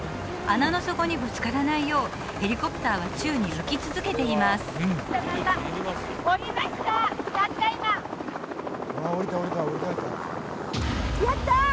穴の底にぶつからないようヘリコプターは宙に浮き続けています降りました